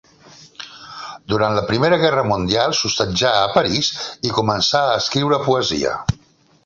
Durant la Primera Guerra Mundial, s'hostatjà a París i començà a escriure poesia.